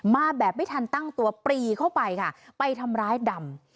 มาแบบไม่ทันตั้งตัวปรีเข้าไปค่ะไปทำร้ายดำ